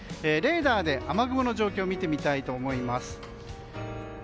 レーダーで雨雲の状況を見てみたいと思います。